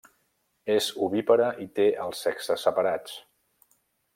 És ovípara i té els sexes separats.